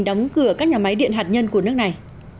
đóng cửa các nhà máy điện hạt nhân của nước này